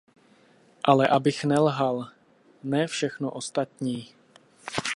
Ale abych nelhal: ne všechno ostatní.